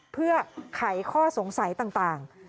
เพื่อไขข้อสงสัยต่าง